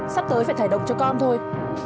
sắp tới phải thải độc cho con thôi